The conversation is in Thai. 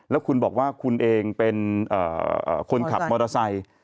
แล้วคุณบอกว่าคุณเองเป็นคนขับมอเตอร์ไซค์